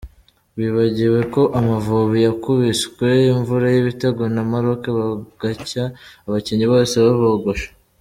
wibagiwe ko amavubi yakubiswe imvura y'ibitego na Maroc bugacya abakinnyi Bose babogosha !!!!.